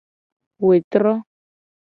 Wetro.